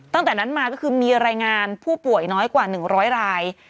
ตั้งแต่นั้นมาก็คือมีรายงานผู้ป่วยน้อยกว่า๑๐๐ราย